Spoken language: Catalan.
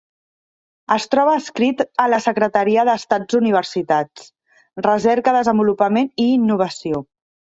Es troba adscrit a la Secretaria d'Estat d'Universitats, Recerca, Desenvolupament i Innovació.